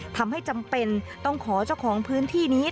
ทำให้จำเป็นต้องขอเจ้าของพื้นที่นี้